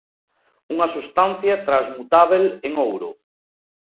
Unha substancia transmutábel en ouro.